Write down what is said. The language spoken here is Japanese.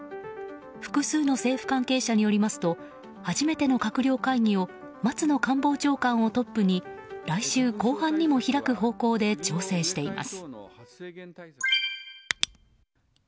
複数の政府関係者によりますと初めての閣僚会議を松野官房長官をトップに来週後半にも開く方向で調整しています。